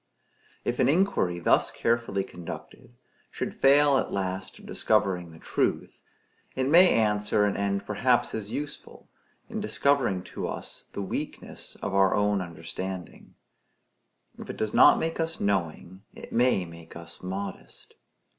If an inquiry thus carefully conducted should fail at last of discovering the truth, it may answer an end perhaps as useful, in discovering to us the weakness of our own understanding. If it does not make us knowing, it may make us modest.